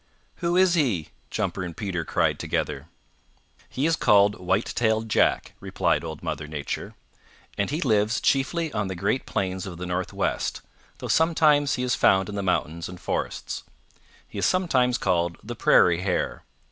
"Who is he?" Jumper and Peter cried together. "He is called White tailed Jack," replied Old Mother Nature. "And he lives chiefly on the great plains of the Northwest, though sometimes he is found in the mountains and forests. He is sometimes called the Prairie Hare.